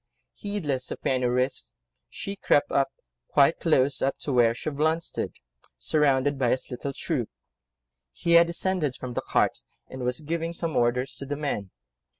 Heedless of any risks, she crept quite close up to where Chauvelin stood, surrounded by his little troop: he had descended from the cart, and was giving some orders to the men.